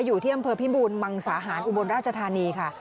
อยู่ที่อำเภอพิบูรมังสาหารอุบลราชธานีค่ะ